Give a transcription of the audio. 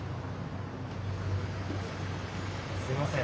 すみません。